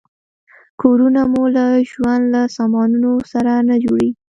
کورونه مو له ژوند له سامانونو سره نه جوړیږي.